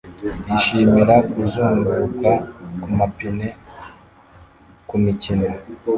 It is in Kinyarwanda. yishimira kuzunguruka kumapine kumikino